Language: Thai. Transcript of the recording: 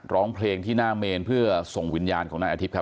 ร้องเพลงที่หน้าเมนเพื่อส่งวิญญาณของนายอาทิตยครับ